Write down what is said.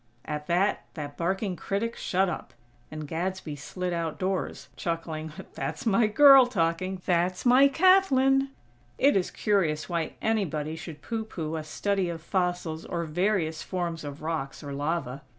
At that that barking critic shut up! And Gadsby slid outdoors, chuckling: "That's my girl talking!! That's my Kathlyn!!" It is curious why anybody should pooh pooh a study of fossils or various forms of rocks or lava.